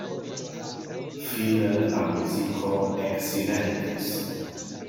Fine la muziko eksilentis.